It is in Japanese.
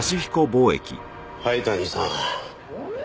灰谷さん。